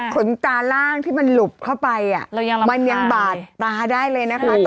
ขนตาล่างที่มันหลุบเข้าไปมันยังบาดตาได้เลยนะคะ